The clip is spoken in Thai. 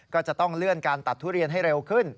ก็จะต้องเลื่อนการตัดทุเรียนให้เร็วขึ้น